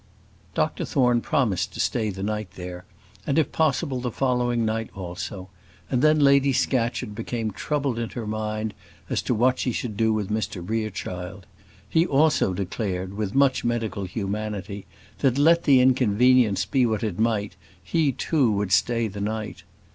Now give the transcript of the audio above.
Dr Thorne promised to stay the night there, and, if possible, the following night also; and then Lady Scatcherd became troubled in her mind as to what she should do with Mr Rerechild. He also declared, with much medical humanity, that, let the inconvenience be what it might, he too would stay the night.